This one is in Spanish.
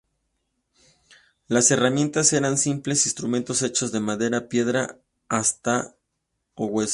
Las herramientas eran simples instrumentos hechos de madera, piedra, asta o hueso.